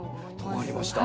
留まりました。